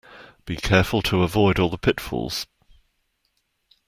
Be careful to avoid all the pitfalls.